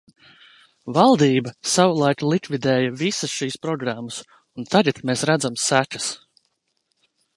Valdība savulaik likvidēja visas šīs programmas, un tagad mēs redzam sekas.